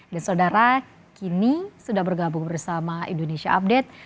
dan saudara kini sudah bergabung bersama indonesia update